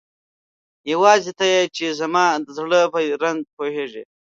یواځی ته یی چی زما د زړه په رنځ پوهیږی